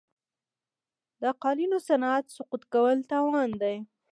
د قالینو صنعت سقوط کول تاوان دی.